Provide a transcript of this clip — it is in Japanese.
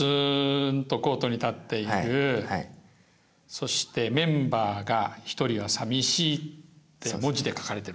そして「メンバーが一人はさみしい」って文字で書かれてるんだね。